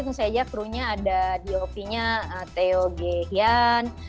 misalnya crew nya ada dop nya theo gehian